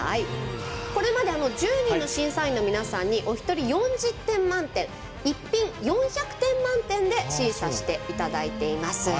これまで１０人の審査員の皆さんにお一人４０点満点１品４００点満点で審査していただいています。